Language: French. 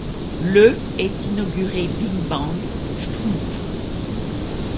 Le est inauguré Big Bang Schtroumpf.